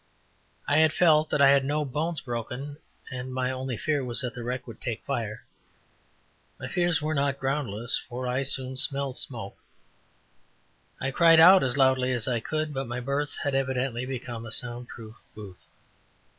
I felt that I had no bones broken, and my only fear was that the wreck would take fire. My fears were not groundless for I soon smelled smoke. I cried out as loudly as I could, but my berth had evidently become a "sound proof booth."